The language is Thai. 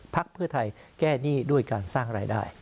พักเพื่อไทยแก้หนี้ด้วยการสร้างรายได้